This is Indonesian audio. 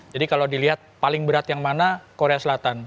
jadi kalau dilihat paling berat yang mana korea selatan